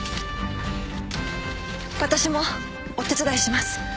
私もお手伝いします。